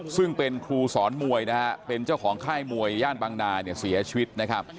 ซึ่งเป็นครูสอนมวยนะฮะเป็นเจ้าของค่ายมวยย่านบางนาเนี่ยเสียชีวิตนะครับ